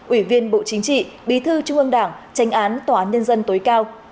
ủy viên bộ chính trị bí thư trung ương đảng tranh án tòa án nhân dân tối cao